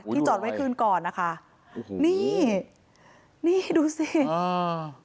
ที่จอดไว้คืนก่อนนะคะโอ้โหนี่นี่ดูสิอ่า